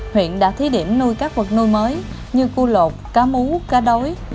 huyện đã thí điểm nuôi các vật nuôi mới như cua lột cá mú cá đối